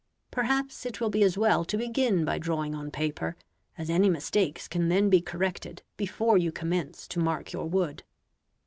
Perhaps it will be as well to begin by drawing on paper, as any mistakes can then be corrected before you commence to mark your wood.